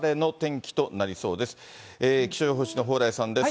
気象予報士の蓬莱さんです。